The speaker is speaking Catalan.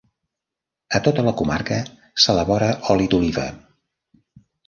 A tota la comarca s'elabora oli d'oliva.